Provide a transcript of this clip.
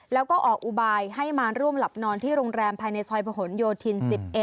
แล้วก็ออกอุบายให้มาร่วมหลับนอนที่โรงแรมภายในซอยประหลโยธิน๑๑